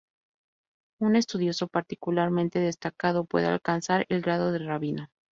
Un estudioso particularmente destacado puede alcanzar el grado de "Rabino".